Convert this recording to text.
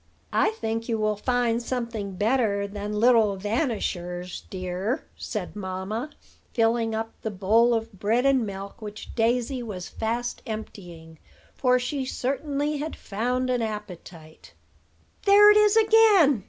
"I think you will find something better than 'little vanishers,' dear," said mamma, filling up the bowl of bread and milk which Daisy was fast emptying; for she certainly had found an appetite. "There it is again!"